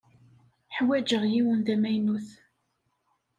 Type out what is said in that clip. Ḥwajeɣ yiwen d amaynut.